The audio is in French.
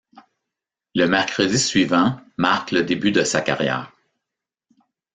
Le mercredi suivant marque le début de sa carrière.